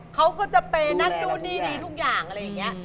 เขาจะไปนัดตู้ดีทุกอย่างอะไรเงี้ย